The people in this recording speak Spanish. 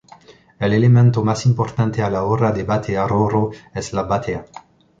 El elemento más importante a la hora de batear oro es la batea.